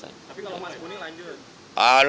tapi kalau mas muni lanjut